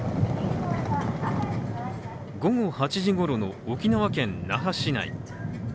午後８時ごろの沖縄県那覇市内。